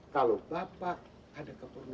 kalau bapak ada keperluan